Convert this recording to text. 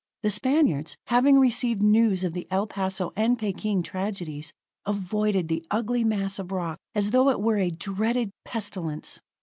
The Spaniards, having received news of the El Paso and Peking tragedies, avoided the ugly mass of rock as though it were a dreaded pestilence.